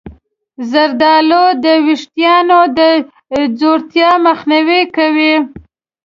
زردآلو د ویښتانو د ځوړتیا مخنیوی کوي.